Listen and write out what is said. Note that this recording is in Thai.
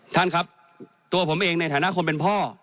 ท่านครับตัวผมเองในฐานะคนเป็นพ่อ